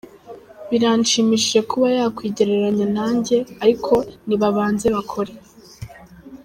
Biranshimishije kuba yakwigereranya na njye ariko nibabanze bakore.